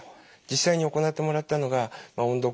実際に行ってもらったのが音読